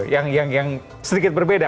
yang sedikit berbeda